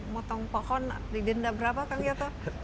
mau potong pokok di genda berapa kang yoto